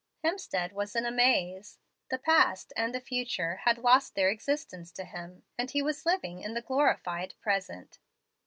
Hemstead was in a maze. The past and the future had lost their existence to him, and he was living in the glorified present.